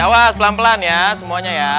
ya was pelan pelan ya semuanya ya